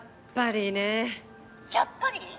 やっぱりね。